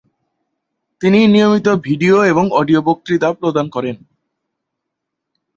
তিনি নিয়মিত ভিডিও এবং অডিও বক্তৃতা প্রদান করেন।